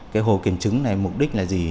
cái hồ kiểm chứng này mục đích là gì